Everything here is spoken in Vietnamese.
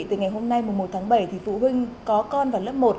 từ ngày hôm nay một tháng bảy thì phụ huynh có con và lớp một